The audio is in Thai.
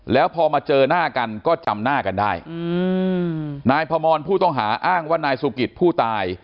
แล้วพอมาเจอหน้ากันก็จำหน้ากันได้อืมนายพมรผู้ต้องหาอ้างว่านายสุกิตผู้ตาย